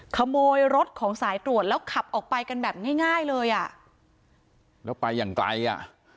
ขโมยรถของสายตรวจแล้วขับออกไปกันแบบง่ายง่ายเลยอ่ะแล้วไปอย่างไกลอ่ะ